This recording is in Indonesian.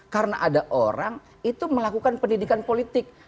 karena ada orang itu melakukan pendidikan politik